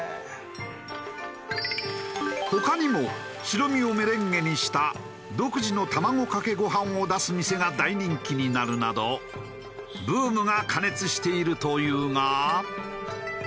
他にも白身をメレンゲにした独自の卵かけご飯を出す店が大人気になるなどブームが過熱しているというが。